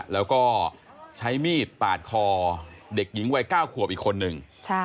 แล้วก็ใช้มีดปาดคอเด็กหญิงวัย๙ขวบอีกคนนึง